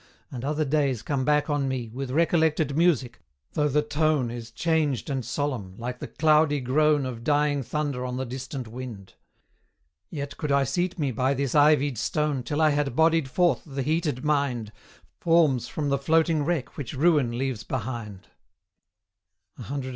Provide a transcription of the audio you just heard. and other days come back on me With recollected music, though the tone Is changed and solemn, like the cloudy groan Of dying thunder on the distant wind; Yet could I seat me by this ivied stone Till I had bodied forth the heated mind, Forms from the floating wreck which ruin leaves behind; CV.